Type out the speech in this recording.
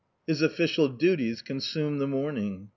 His official duties consumed the morning.